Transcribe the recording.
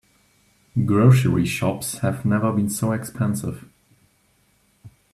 Grocery shops have never been so expensive.